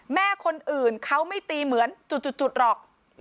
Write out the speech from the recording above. แม่คนอื่นเขาไม่ตีเหมือนจุดหรอก